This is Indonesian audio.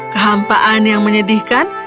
kehampaan yang menyedihkan